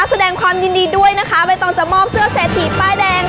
แสดงความยินดีด้วยนะคะใบตองจะมอบเสื้อเศรษฐีป้ายแดงค่ะ